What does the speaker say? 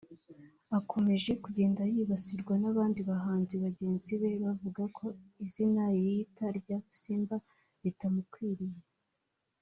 akomeje kugenda yibasirwa n’abandi bahanzi bagenzi be bavuga ko izina yiyita rya “ Simba” ritamukwiriye